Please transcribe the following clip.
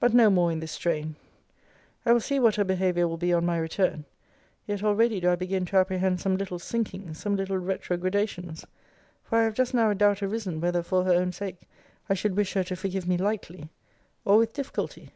But no more in this strain! I will see what her behaviour will be on my return yet already do I begin to apprehend some little sinkings, some little retrogradations: for I have just now a doubt arisen, whether, for her own sake, I should wish her to forgive me lightly, or with difficulty?